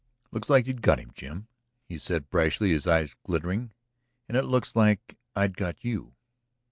"Looks like you'd got him, Jim," he said harshly, his eyes glittering. "And it looks like I'd got you.